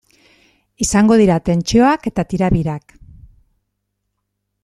Izango dira tentsioak eta tirabirak.